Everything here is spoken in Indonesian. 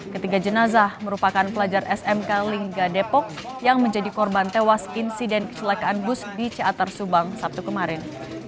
ketiga jenazah merupakan pelajar smk lingga depok yang menjadi korban tewas insiden kecelakaan bus di ciatar subang sabtu kemarin